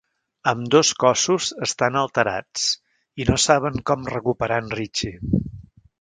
Ambdós cossos estan alterats, i no saben com recuperar en Richie.